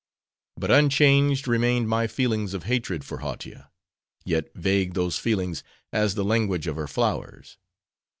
But unchanged remained my feelings of hatred for Hautia; yet vague those feelings, as the language of her flowers.